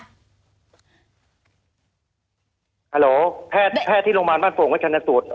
ฮัลโหลแพทย์ที่โรงพยาบาลบ้านฝงก็ชันสูตร